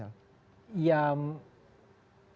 ya yang saya kaget tuh justru ada sampai hashtag ya di sosial media